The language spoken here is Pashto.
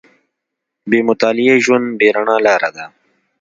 • بې مطالعې ژوند، بې رڼا لاره ده.